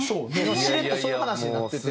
しれっとそういう話になってて。